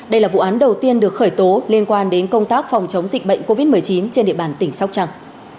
đây là vụ án đầu tiên được khởi tố liên quan đến công tác phòng chống dịch bệnh covid một mươi chín trên địa bàn tỉnh sóc trăng